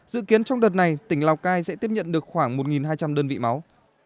dự kiến trong đợt này tỉnh lào cai sẽ tiếp nhận được khoảng một hai trăm linh đơn vị máu